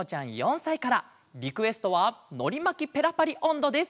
リクエストは「のりまきペラパリおんど」です。